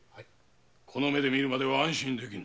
この目で見るまでは安心できぬ。